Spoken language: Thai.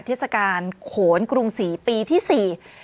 เทศกาลโขนกรุงศรีปีที่สี่